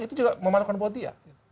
itu juga memalukan buat dia